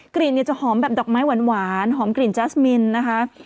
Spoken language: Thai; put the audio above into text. กลิ่นเนี่ยจะหอมแบบดอกไม้หวานหอมกลิ่นแจ๊สมินนะคะ